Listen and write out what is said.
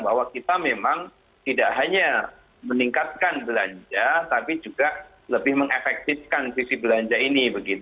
bahwa kita memang tidak hanya meningkatkan belanja tapi juga lebih mengefektifkan sisi belanja ini